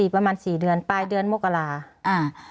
ประมาณสี่เดือนปลายเดือนมกราอ่า